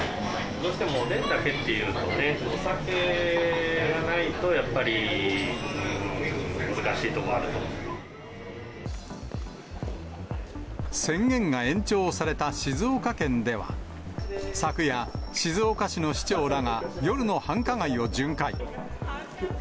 どうしてもおでんだけっていうとね、お酒がないと、宣言が延長された静岡県では、昨夜、静岡市の市長らが夜の繁華街を巡回。